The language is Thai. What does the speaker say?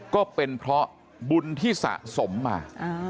ก็เป็นเพราะบุญที่สะสมมา